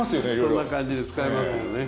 そんな感じで使えますよね。